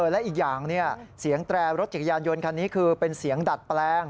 และอีกอย่างเสียงแตรรถจักรยานยนต์คันนี้คือเป็นเสียงดัดแปลง